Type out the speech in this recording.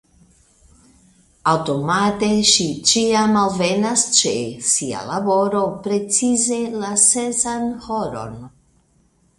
Aŭtomate ŝi ĉiam alvenas ĉe sia laboro, precize la sesan horon.